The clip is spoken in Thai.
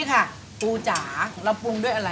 ข้าวปรุงรสไว้แล้ว